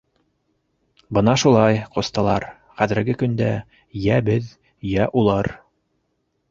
— Бына шулай, ҡустылар, хәҙерге көндә йә беҙ, йә улар...